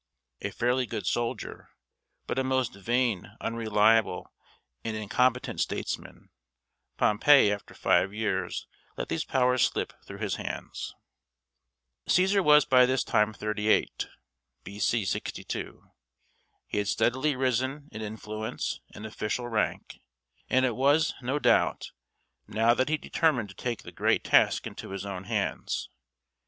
A fairly good soldier, but a most vain, unreliable, and incompetent statesman, Pompey after five years let these powers slip through his hands. [Illustration: Julius Cæsar.] Cæsar was by this time thirty eight (B.C. 62). He had steadily risen in influence and official rank; and it was, no doubt, now that he determined to take the great task into his own hands.